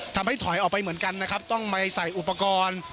ทำให้ถอยออกไปเหมือนกันนะครับต้องไม่ใส่อุปกรณ์